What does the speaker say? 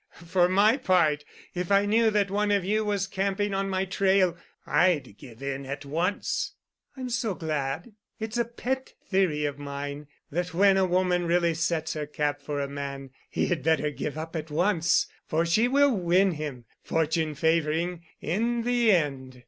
For my part, if I knew that one of you was camping on my trail, I'd give in at once." "I'm so glad. It's a pet theory of mine that when a woman really sets her cap for a man he had better give up at once, for she will win him—fortune favoring—in the end.